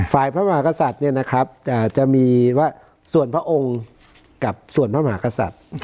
พระมหากษัตริย์จะมีว่าส่วนพระองค์กับส่วนพระมหากษัตริย์